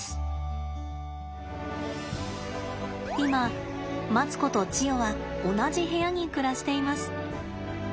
今マツコとチヨは同じ部屋に暮らしています。